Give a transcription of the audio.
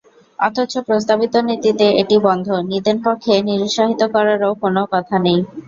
অথচ প্রস্তাবিত নীতিতে এটি বন্ধ, নিদেনপক্ষে নিরুত্সাহিত করারও কোনো কথা নেই।